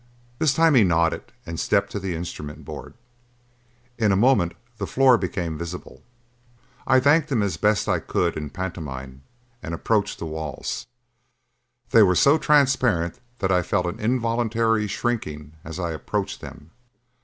This time he nodded and stepped to the instrument board. In a moment the floor became visible. I thanked him as best I could in pantomime and approached the walls. They were so transparent that I felt an involuntary shrinking as I approached them.